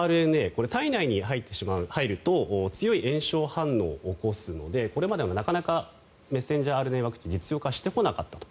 これ、体内に入ると強い炎症反応を起こすのでこれまではなかなかメッセンジャーＲＮＡワクチン実用化してこなかったと。